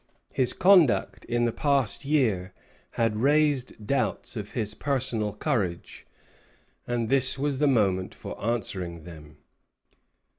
His conduct in the past year had raised doubts of his personal courage; and this was the moment for answering them.